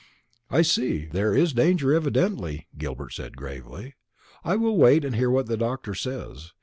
"I see. There is danger evidently," Gilbert said gravely. "I will wait and hear what the doctor says.